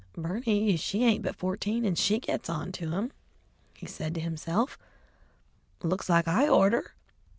"Berney she ain't but fourteen an' she gits on to 'em," he said to himself; "looks like I orter."